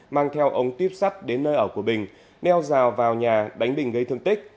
mang theo ông tuyếp sắt đến nơi ở của bình neo rào vào nhà đánh bình gây thương tích